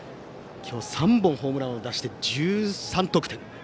今日、３本のホームランを出して１３得点。